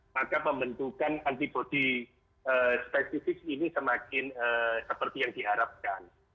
maka pembentukan antibody spesifik ini semakin seperti yang diharapkan